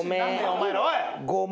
お前らおい！